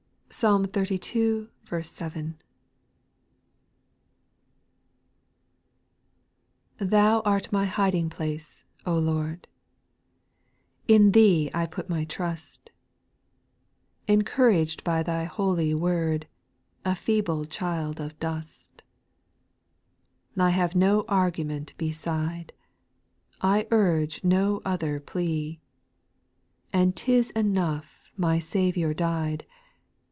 Psalm xxxii. 7. // 1. npHOU art my hiding place, O Lord I A In Thee I put my trust, Encouraged by Thy holy word, A feeble child of dust :— I have no argument beside, I urge no other plea, And 't is enough my Saviour died.